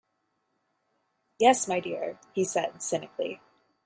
Yes my dear, he said cynically.